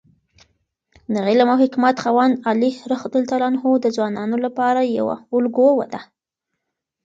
د علم او حکمت خاوند علي رض د ځوانانو لپاره یوه الګو ده.